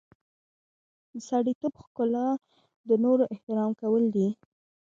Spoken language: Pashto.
د سړیتوب ښکلا د نورو احترام کول دي.